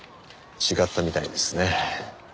違ったみたいですね。